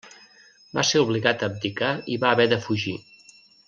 Va ser obligat a abdicar i va haver de fugir.